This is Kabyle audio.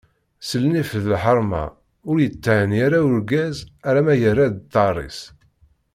S nnif d lḥerma, ur yetthenni ara urgaz alamma yerra-d ttar-is.